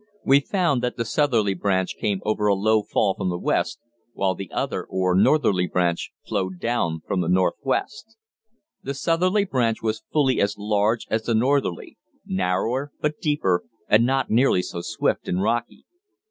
We found that the southerly branch came over a low fall from the west, while the other, or northerly branch, flowed down from the northwest. The southerly branch was fully as large as the northerly narrower but deeper and not nearly so swift and rocky.